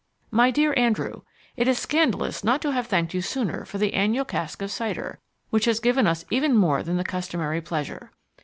MY DEAR ANDREW: It is scandalous not to have thanked you sooner for the annual cask of cider, which has given us even more than the customary pleasure.